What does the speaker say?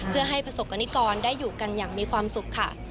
เพื่อให้ประสบกรณิกรได้อยู่กันอย่างมีความสุขค่ะ